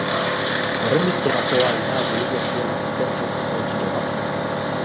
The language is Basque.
Horrenbesterako al da Behobiako lasterketako giroa?